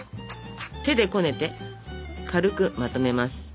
手でこねて軽くまとめます。